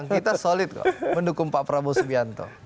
kita solid kok mendukung pak prabowo subianto